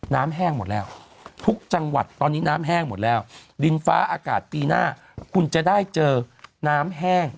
แห้งหมดแล้วทุกจังหวัดตอนนี้น้ำแห้งหมดแล้วดินฟ้าอากาศปีหน้าคุณจะได้เจอน้ำแห้ง